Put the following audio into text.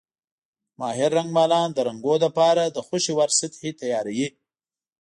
ماهر رنګمالان د رنګونو لپاره د خوښې وړ سطحې تیاروي.